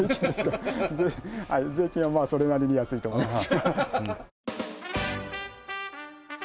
税金はそれなりに安いと思います。